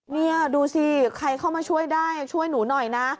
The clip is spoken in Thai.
นี่ดูสิใครเข้ามาช่วยได้ช่วยหนูหน่อยนะ